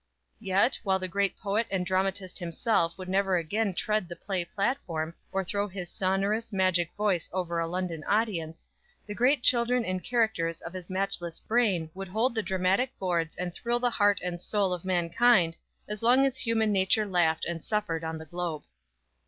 Yet, while the great poet and dramatist himself would never again tread the play platform, or throw his sonorous, magic voice over a London audience, the great children and characters of his matchless brain would hold the dramatic boards and thrill the heart and soul of mankind as long as human nature laughed and suffered on the globe.